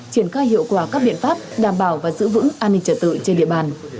triển khai hiệu quả các biện pháp đảm bảo và giữ vững an ninh trật tự trên địa bàn